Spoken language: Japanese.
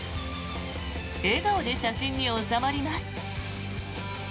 笑顔で写真に納まります。